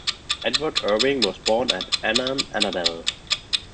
Edward Irving was born at Annan, Annandale.